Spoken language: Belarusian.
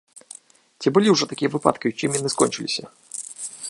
Ці былі ўжо такія выпадкі і чым яны скончыліся?